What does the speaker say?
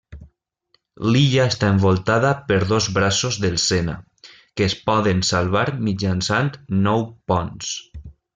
L'illa està envoltada per dos braços del Sena que es poden salvar mitjançant nou ponts.